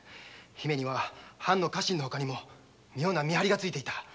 姫には藩の家臣のほかにも妙な見張りがついていた。